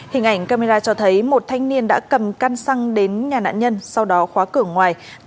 hình ảnh camera cho thấy một thanh niên đã cầm căn xăng đến nhà nạn nhân sau đó khóa cửa ngoài tạt xăng châm lửa đốt